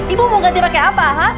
ibu mau ganti pake apa ha